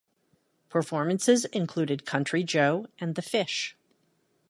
Performances included Country Joe and the Fish.